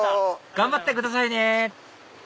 頑張ってくださいね！